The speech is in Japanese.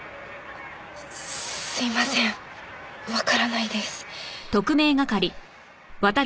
すいませんわからないです。